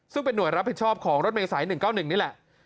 ซึ่งเป็นห่วยรับผิดชอบของรถเมษาย๑๙๑นี่แหละ